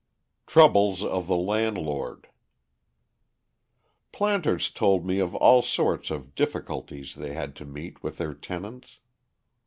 Troubles of the Landlord Planters told me of all sorts of difficulties they had to meet with their tenants.